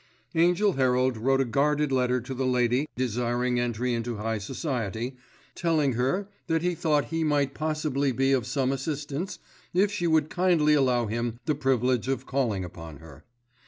Angell Herald wrote a guarded letter to the lady desiring entry into high society, telling her that he thought he might possibly be of some assistance if she would kindly allow him the privilege of calling upon her.